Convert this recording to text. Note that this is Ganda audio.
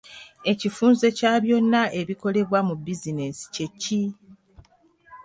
Ekifunze kya byonna ebikolebwa mu bizinensi kye ki?